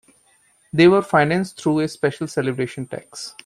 They were financed through a special celebration tax.